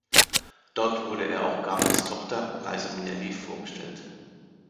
Dort wurde er auch Garlands Tochter, Liza Minnelli, vorgestellt.